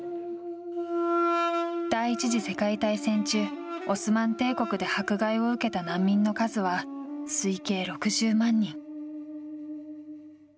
第１世界大戦中、オスマン帝国で迫害を受けた難民の数は推計６０万人。